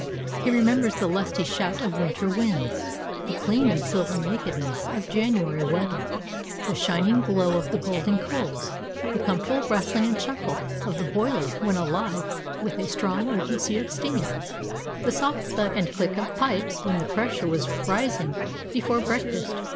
He remembers the lusty shout of winter winds, the clean and silver nakedness of January weather, the shining glow of the golden coals, the comfortable rustling and chuckle of the boiler when alive with a strong urgency of steam, the soft thud and click of the pipes when the pressure was rising before breakfast.